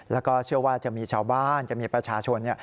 แล้วก็เชื่อว่าจะมีชาวบ้านจะมีประชาชน